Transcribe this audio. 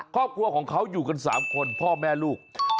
ครอบครัวของเขาอยู่กัน๓คนพ่อแม่ลูก